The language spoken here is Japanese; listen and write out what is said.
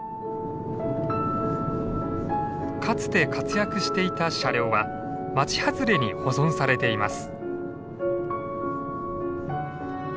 かつて活躍していた車両は町外れに保存されています。